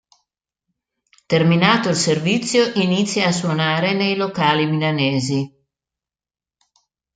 Terminato il servizio, inizia a suonare nei locali milanesi.